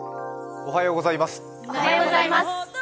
おはようございます。